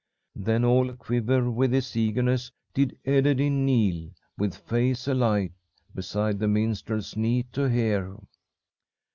"Then all aquiver with his eagerness did Ederyn kneel, with face alight, beside the minstrel's knee to hear.